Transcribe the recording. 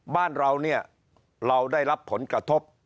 บ้านเราเนี่ยเราได้รับผลกระทบ